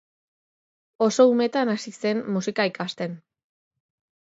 Oso umetan hasi zen musika ikasten.